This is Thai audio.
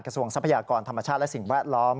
กระทรวงทรัพยากรธรรมชาติและสิ่งแวดล้อม